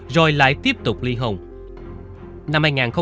rồi lại tiếp tục đối xử với tử thi